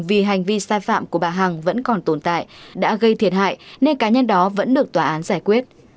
vì hành vi sai phạm của bà hằng vẫn còn tồn tại đã gây thiệt hại nên cá nhân đó vẫn được tòa án giải quyết